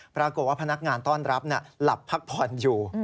พนักงานต้อนรับหลับพักผ่อนอยู่